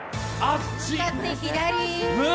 向かって左。